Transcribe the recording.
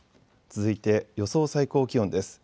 続いて予想最高気温です。